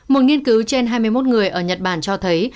một nghiên cứu trên hai mươi một người ở nhật bản cho thấy